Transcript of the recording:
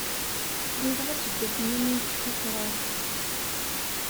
Luleɣ aseggas-nni mi yekfa ṭṭraḍ.